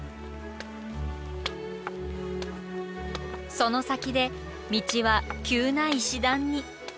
その先で道は急な石段に。